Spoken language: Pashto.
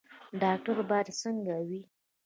ډاکټر باید څنګه وي؟